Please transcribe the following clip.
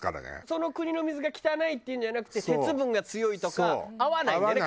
その国の水が汚いっていうんじゃなくて鉄分が強いとか合わないんだよね